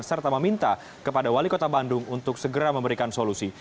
serta meminta kepada wali kota bandung untuk segera memberikan solusi